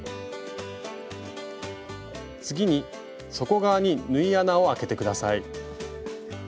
次に底側に縫い穴をあけて下さい。